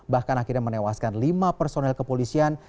bahkan akhirnya menewaskan lima personel kepolisian